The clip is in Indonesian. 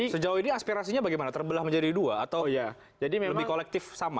sejauh ini aspirasinya bagaimana terbelah menjadi dua atau ya jadi lebih kolektif sama